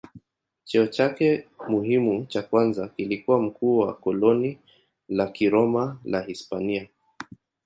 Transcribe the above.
Cheo chake muhimu cha kwanza kilikuwa mkuu wa koloni la Kiroma la Hispania.